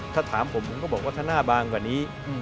ถ้าถามผมผมก็บอกว่าถ้าหน้าบางกว่านี้